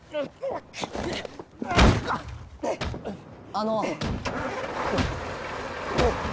あの